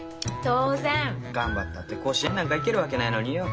当然！頑張ったって甲子園なんか行けるわけないのによ。